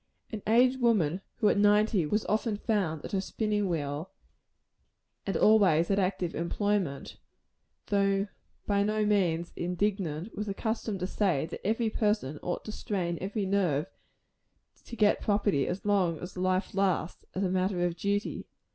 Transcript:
An aged woman, who at ninety was often found at her spinning wheel, and always at active employment though by no means indigent was accustomed to say, that every person ought to strain every nerve to get property as long as life lasts, as a matter of duty.